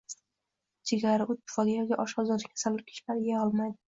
jigari, o‘t pufagi yoki oshqozoni kasal kishilar yeya olmaydi.